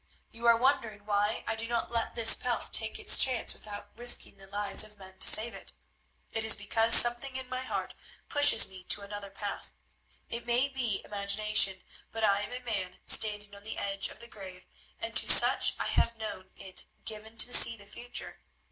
You are wondering why I do not let this pelf take its chance without risking the lives of men to save it. It is because something in my heart pushes me to another path. It may be imagination, but I am a man standing on the edge of the grave, and to such I have known it given to see the future.